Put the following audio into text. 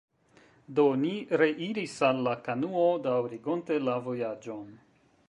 Do, ni reiris al la kanuo, daŭrigonte la vojaĝon.